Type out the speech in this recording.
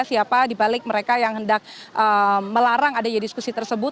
siapa dibalik mereka yang hendak melarang adanya diskusi tersebut